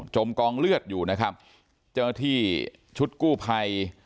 กองเลือดอยู่นะครับเจ้าหน้าที่ชุดกู้ภัย